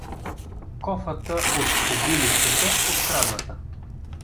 Кофата от кобилицата открадната.